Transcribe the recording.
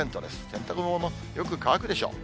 洗濯物もよく乾くでしょう。